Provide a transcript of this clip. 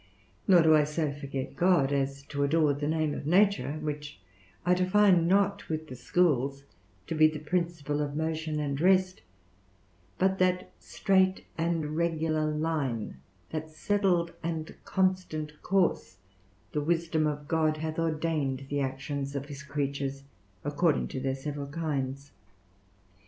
Nor do I so forget God as to adore the name of nature; which I define not, with the schools, to be the principle of motion and rest, but that straight and regular line, that settled and constant course the wisdom of God hath ordained the actions of his creatures, according to their several kinds.